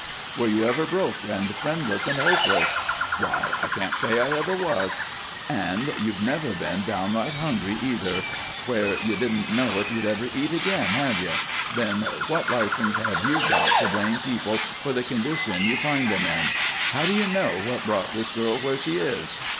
"Were you ever broke and friendless and hopeless?" "Why, I can't say I ever was." "And you've never been downright hungry, either, where you didn't know if you'd ever eat again, have you? Then what license have you got to blame people for the condition you find them in? How do you know what brought this girl where she is?"